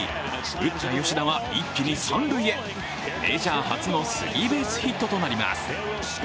打った吉田は一気に三塁へ、メジャー初のスリーベースヒットとなります。